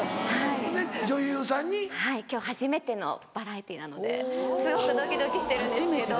はい今日初めてのバラエティーなのですごくドキドキしてるんですけど。